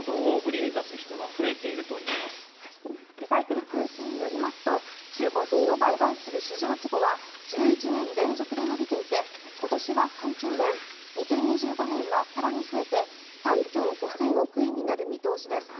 リサイクル通信によりますと中古品を売買する市場規模は１１年連続で伸びていて今年は３兆円２０２５年は更に増えて３兆５０００億円になる見通しです。